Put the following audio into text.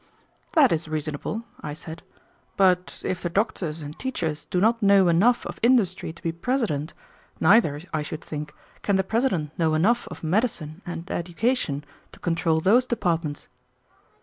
"That is reasonable," I said; "but if the doctors and teachers do not know enough of industry to be President, neither, I should think, can the President know enough of medicine and education to control those departments."